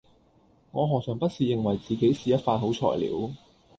我何嘗不是認為自己是一塊好材料